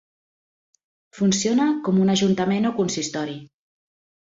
Funciona com un ajuntament o consistori.